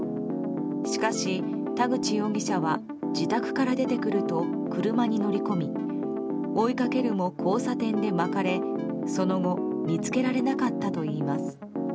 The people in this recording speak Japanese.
しかし、田口容疑者は自宅から出てくると車に乗り込み追いかけるも交差点でまかれその後見つけられなかったといいます。